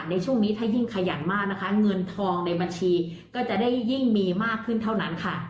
ในช่วงนี้ถ้ายิ่งขยันมากนะคะเงินทองในบัญชีก็จะได้ยิ่งมีมากขึ้นเท่านั้นค่ะ